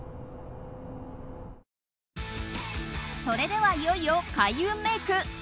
それではいよいよ開運メイク。